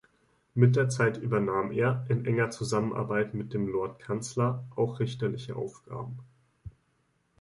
Mit der Zeit übernahm er, in enger Zusammenarbeit mit dem Lordkanzler, auch richterliche Aufgaben.